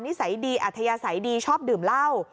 สัยดีอัธยาศัยดีชอบดื่มเหล้า